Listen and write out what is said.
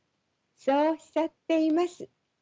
そうおっしゃっています。